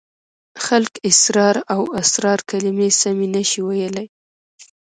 خلک اسرار او اصرار کلمې سمې نشي ویلای.